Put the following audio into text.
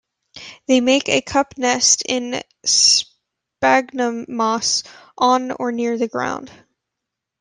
They make a cup nest in sphagnum moss on or near the ground.